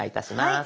はい。